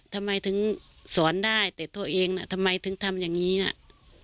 ทำไมถึงสอนได้แต่ตัวเองน่ะทำไมถึงทำอย่างนี้น่ะ